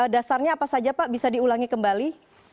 dasarnya apa saja pak bisa diulangi kembali